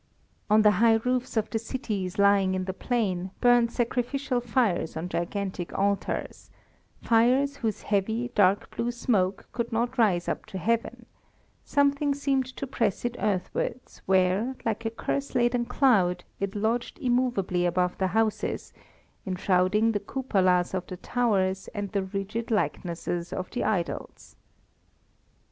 On the high roofs of the cities lying in the plain, burned sacrificial fires on gigantic altars; fires whose heavy, dark blue smoke could not rise up to Heaven; something seemed to press it earthwards where, like a curse laden cloud, it lodged immovably above the houses, enshrouding the cupolas of the towers and the rigid likenesses of the idols.